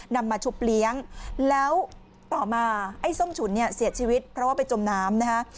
นำมาชุบเลี้ยงแล้วต่อมาไอ้ส้มฉุนเนี่ยเสียชีวิตเพราะว่าไปจมน้ำนะฮะ